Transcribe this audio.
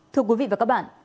thưa quý vị và các bạn